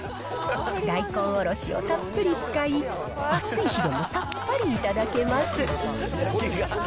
大根おろしをたっぷり使い、暑い日でもさっぱり頂けます。